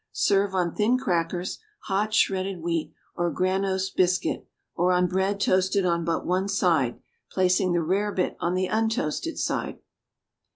Serve on thin crackers, hot shredded wheat or granose biscuit, or on bread toasted on but one side, placing the rarebit on the untoasted side.